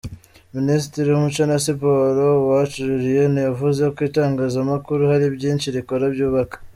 Minisitiri w’Umuco na Siporo, Uwacu Julienne, yavuze ko itangazamakuru hari byinshi rikora byubaka.